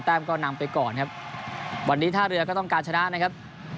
ก็นำไปก่อนครับวันนี้ท่าเรือก็ต้องการชนะนะครับ